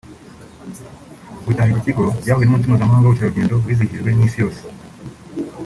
Gutaha iki kigo byahuye n’Umunsi mpuzamahanga w’Ubukerarugendo wizihijwe n’Isi yose